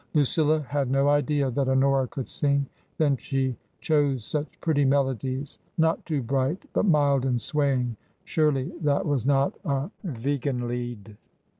Lucilla had no idea that Honora could sing ; then she chose such pretty melodies — not too bright, but mild and swaying; surely that was not a " Wiegenlied"